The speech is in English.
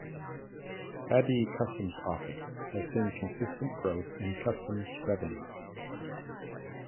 Thadi Customs Office has seen consistent growth in customs revenue.